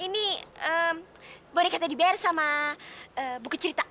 ini boleh kata dibayar sama buku cerita